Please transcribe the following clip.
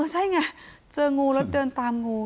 เจองูรักเดินตามงู